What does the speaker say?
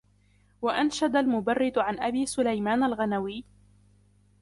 وَأَنْشَدَ الْمُبَرِّدُ عَنْ أَبِي سُلَيْمَانَ الْغَنَوِيِّ